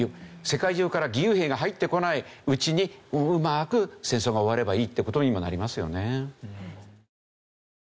世界中から義勇兵が入ってこないうちにうまく戦争が終わればいいって事にもなりますよね。